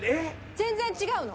全然違うの。